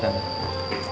tu hermano su hu